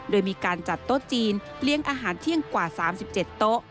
โดยมีการจัดโต๊ะจีนเลี้ยงอาหารเที่ยงกว่า๓๗โต๊ะ